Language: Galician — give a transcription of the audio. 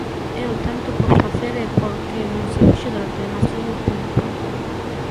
E o tanto por facer é porque non se fixo durante demasiado tempo.